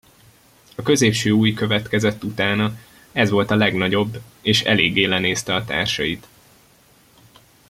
A középső ujj következett utána, ez volt a legnagyobb, és eléggé lenézte a társait.